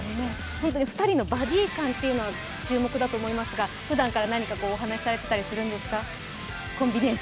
本当に２人のバディー感っていうのが注目だと思うんですが、ふだんから何かお話しされていたりするんですか？